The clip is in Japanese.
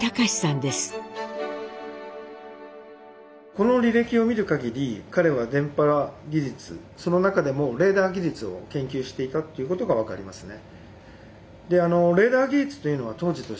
この履歴を見る限り彼は電波技術その中でもレーダー技術を研究していたということが分かりますね。